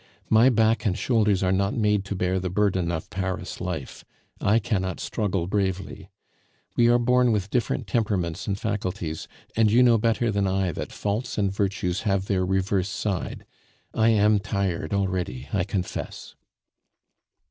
"My back and shoulders are not made to bear the burden of Paris life; I cannot struggle bravely. We are born with different temperaments and faculties, and you know better than I that faults and virtues have their reverse side. I am tired already, I confess."